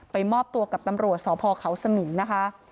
มอบตัวกับตำรวจสพเขาสมิงนะคะ